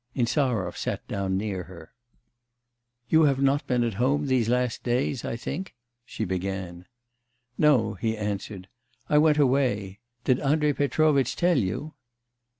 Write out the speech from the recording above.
Insarov sat down near her. 'You have not been at home these last days, I think?' she began. 'No,' he answered. 'I went away. Did Andrei Petrovitch tell you?